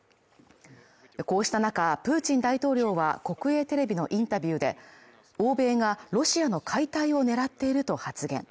こうした中、プーチン大統領は国営テレビのインタビューで、欧米がロシアの解体を狙っていると発言。